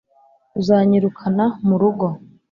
uzanyirukana murugo